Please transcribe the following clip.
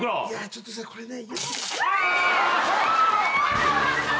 ちょっとこれね。